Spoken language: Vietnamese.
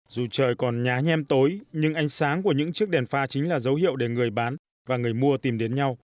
dù trời còn nhá nhem tối nhưng ánh sáng của những chiếc đèn pha chính là dấu hiệu để người bán và người mua tìm đến nhau